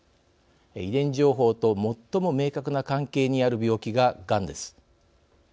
遺伝情報と最も明確な関係にある病気が、がんです。